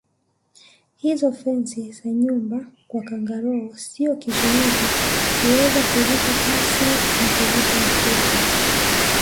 Hizo fensi za nyumba kwa kangaroo sio kizuizi huweza kuruka pasi na kugusa ukuta